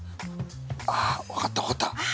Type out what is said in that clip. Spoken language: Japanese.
あ！分かった分かった。